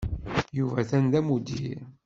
Yuba atan d amuddir?